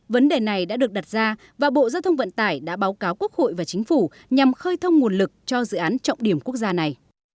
vấn đề này đã được đặt ra và bộ giao thông vận tải đã báo cáo quốc hội và chính phủ nhằm khơi thông nguồn lực cho dự án trọng điểm quốc gia này